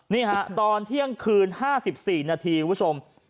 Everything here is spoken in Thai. นี่ฮะตอนเที่ยงคืน๕๔นาทีคุณผู้ชม